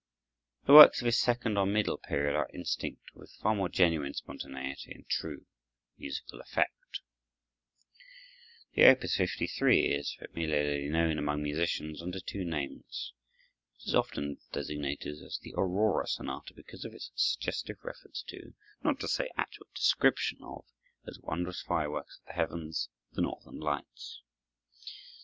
The works of his second or middle period are instinct with far more genuine spontaneity and true musical effect. The Op. 53 is familiarly known among musicians under two names. It is often designated as the "Aurora Sonata," because of its suggestive reference to, not to say actual description of, those wondrous fireworks of the heavens, the northern lights.